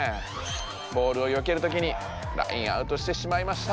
ボールをよけるときにラインアウトしてしまいました。